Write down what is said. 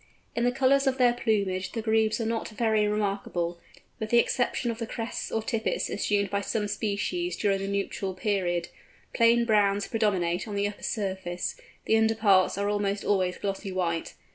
In the colours of their plumage the Grebes are not very remarkable, with the exception of the crests or tippets assumed by some species during the nuptial period: plain browns predominate on the upper surface; the underparts are almost always glossy white.